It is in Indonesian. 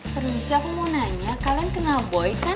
permisi aku mau nanya kalian kenal boy kan